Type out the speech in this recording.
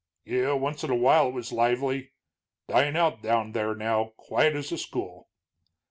"Yeh. Once in a while it was lively. Dyin' out down there now, quiet as a school."